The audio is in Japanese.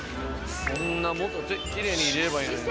そんなもっとキレイに入れればいいのに。